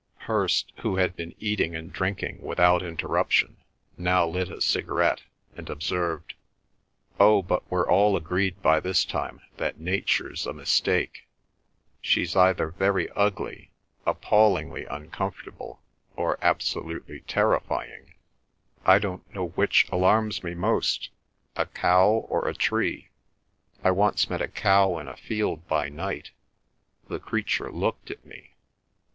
Hirst, who had been eating and drinking without interruption, now lit a cigarette, and observed, "Oh, but we're all agreed by this time that nature's a mistake. She's either very ugly, appallingly uncomfortable, or absolutely terrifying. I don't know which alarms me most—a cow or a tree. I once met a cow in a field by night. The creature looked at me.